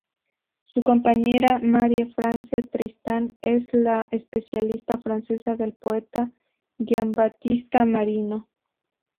Su compañera, Marie-France Tristan, es la especialista francesa del poeta Giambattista Marino.